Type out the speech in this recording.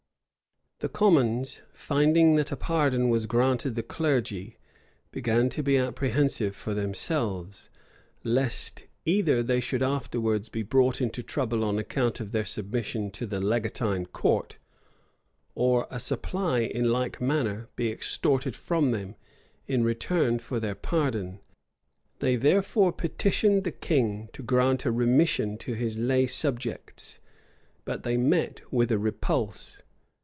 The commons, finding that a pardon was granted the clergy, began to be apprehensive for themselves, lest either they should afterwards be brought into trouble on account of their submission to the legatine court, or a supply, in like manner, be extorted from them, in return for their pardon. They therefore petitioned the king to grant a remission to his lay subjects; but they met with a repulse.